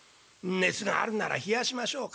熱があるなら冷やしましょう。